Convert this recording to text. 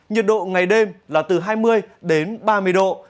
nhiệt độ ngày đêm là từ hai mươi đến ba mươi độ